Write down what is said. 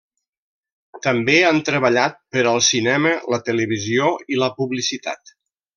També han treballat per al cinema, la televisió i la publicitat.